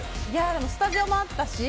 スタジオもあったし